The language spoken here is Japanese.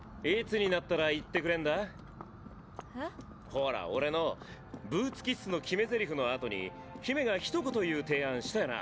ホラ俺の「ブーツキッスの決め台詞」の後に姫がひと言言う提案したよな。